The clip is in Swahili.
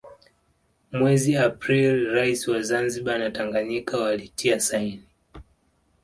Mwezi Aprili rais wa Zanzibar na Tanganyika walitia saini